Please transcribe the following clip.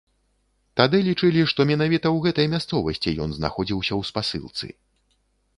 Тады лічылі, што менавіта ў гэтай мясцовасці ён знаходзіўся ў спасылцы.